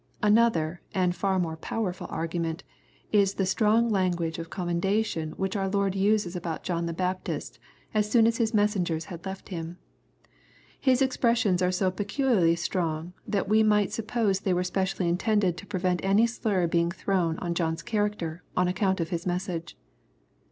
Another, and far more powerful argument, is the strong language of commendation which our Lord uses about John the Baptist as soon as his messengers had left Him. His expressions are so peculiarly strong, that we might suppose they were specially intended to prevent any slur being throvni on John's character on account of his message.